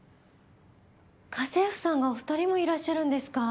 家政婦さんがお二人もいらっしゃるんですか？